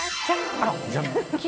じゃん。